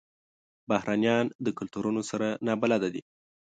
بهرنیان د کلتورونو سره نابلده دي.